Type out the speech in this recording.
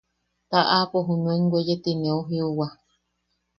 Ta aapo junuen weye ti neu jiuwa.